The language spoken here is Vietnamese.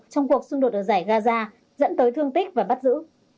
trong cuộc xung đột ở giải gaza dẫn tới thương tích và bắt giữ